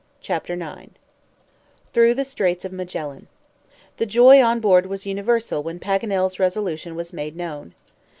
CHAPTER IX THROUGH THE STRAITS OF MAGELLAN THE joy on board was universal when Paganel's resolution was made known.